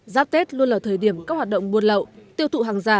giáp tết luôn là thời điểm các hoạt động buôn lậu tiêu thụ hàng giả